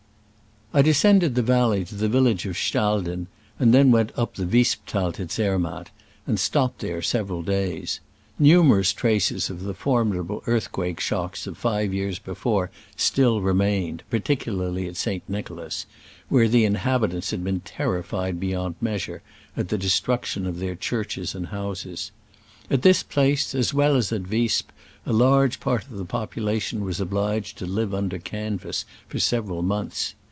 I descended the valley to the village of Stalden, and then went up the Visp Thai to Zermatt, and stopped there sev eral days. Numerous traces of the for midable earthquake shocks of five years before still remained, particularly at St. Nicholas, where the inhabitants had been terrified beyond measure at the destruction of their churches and houses. At this place, as well as at Visp, a large part of the population was obliged to live under canvas for several months.